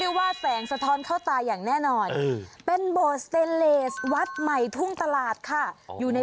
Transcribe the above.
วีบวับวีบวับวุดพลวงคูย